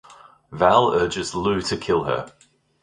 Val urges Lou to kill her.